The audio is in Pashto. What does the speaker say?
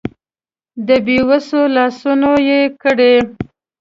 د بې وسو لاسنیوی یې کړی.